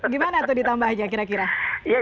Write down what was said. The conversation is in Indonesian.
gimana tuh ditambah aja kira kira